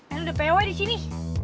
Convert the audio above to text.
el udah pewe disini